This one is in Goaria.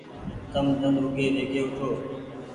تم ۮن اوگي ويگي اوٺو۔